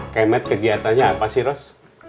kayak matt kegiatannya apa sih ros